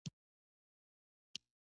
تور کالي د غم لپاره دي.